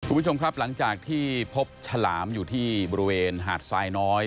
คุณผู้ชมครับหลังจากที่พบฉลามอยู่ที่บริเวณหาดทรายน้อย